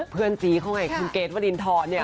เพื่อนซีเขาไงเกณฑฐ์วรินทร